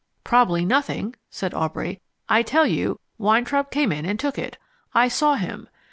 "Probably nothing," said Aubrey. "I tell you, Weintraub came in and took it. I saw him.